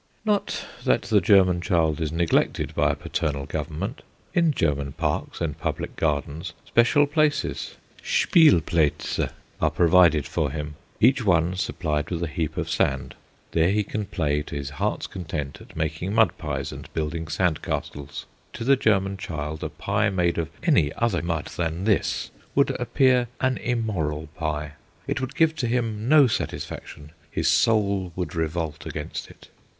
Not that the German child is neglected by a paternal Government. In German parks and public gardens special places (Spielplatze) are provided for him, each one supplied with a heap of sand. There he can play to his heart's content at making mud pies and building sand castles. To the German child a pie made of any other mud than this would appear an immoral pie. It would give to him no satisfaction: his soul would revolt against it.